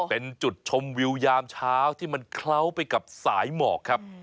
เป็นจุดชมวิวยามเช้าที่มันเคล้าไปกับสายหมอกครับ